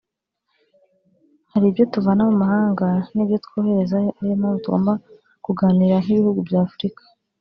Hari ibyo tuvana mu mahanga n’ibyo twoherezayo ari yo mpamvu tugomba kuganira nk’ibihugu bya Afurika